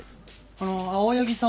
あの青柳さんは？